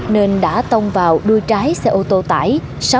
nên đã tông vào đuôi trái xe ô tô tải